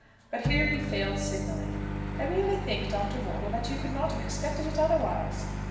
But here he failed signally. "I really think, Dr. Wortle, that you could not have expected it otherwise."